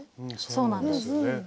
そうなんです。